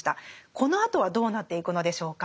このあとはどうなっていくのでしょうか。